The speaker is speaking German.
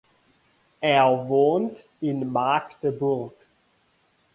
Er wohnt in Magdeburg.